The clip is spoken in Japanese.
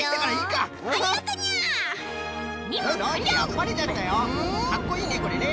かっこいいねこれね。